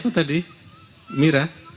sebentar sebentar mau kembali aja